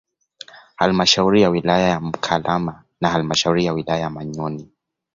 Halmashauri ya wilaya ya Mkalama na halmashauri ya wilaya ya Manyoni